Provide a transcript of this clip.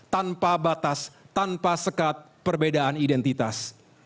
tanpa batas tanpa sekat perbedaan identitas